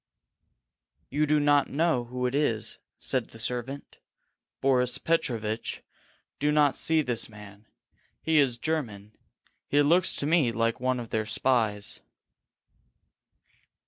"You do not know who it is," said the servant. "Boris Petrovitch, do not see this man. He is a German. He looks to me like one of their spies."